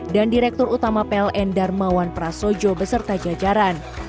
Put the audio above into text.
direktur utama pln darmawan prasojo beserta jajaran